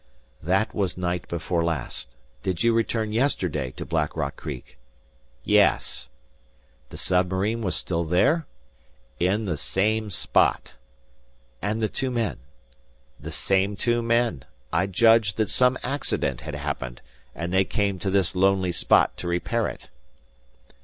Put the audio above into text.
"That was night before last. Did you return yesterday to Black Rock Creek?" "Yes." "The submarine was still there?" "In the same spot." "And the two men?" "The same two men. I judge that some accident had happened, and they came to this lonely spot to repair it."